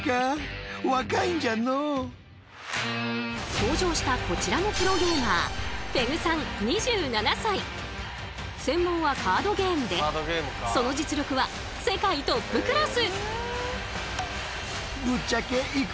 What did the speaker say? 登場したこちらのプロゲーマー専門はカードゲームでその実力は世界トップクラス。